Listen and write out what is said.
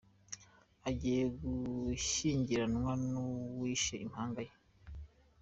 Agiye gushyingiranwa n’uwishe impanga ye